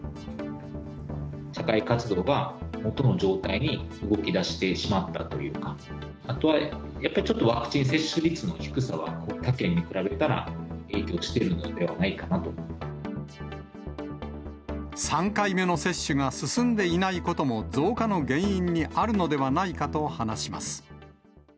社会活動が元の状態に動きだしてしまったというか、あとはやっぱり、ちょっとワクチン接種率の低さは、他県に比べたら影響し３回目の接種が進んでいないことも、増加の原因にあるのではないかと話します。